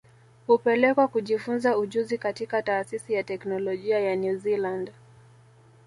Hupelekwa kujifunza ujuzi katika Taasisi ya Teknolojia ya New Zealand